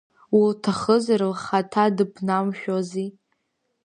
Улҭахызар лхаҭа дыԥнамшәози.